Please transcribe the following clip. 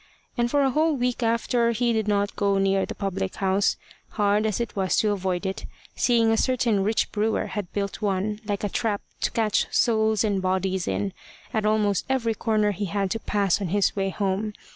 And for a whole week after, he did not go near the public house, hard as it was to avoid it, seeing a certain rich brewer had built one, like a trap to catch souls and bodies in, at almost every corner he had to pass on his way home.